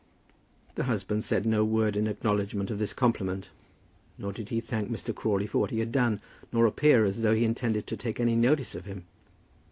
The husband said no word in acknowledgment of this compliment, nor did he thank Mr. Crawley for what he had done, nor appear as though he intended to take any notice of him.